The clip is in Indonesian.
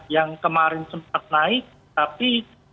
yang kemarin sempat naik tapi